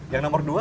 yang nomor dua ya